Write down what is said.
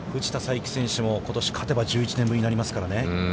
いき選手も、ことし勝てば、１１年ぶりになりますからね。